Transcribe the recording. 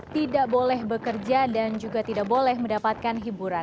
tidak boleh bekerja dan juga tidak boleh mendapatkan hiburan